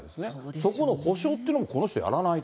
そこの補償というのもこの人やらないと。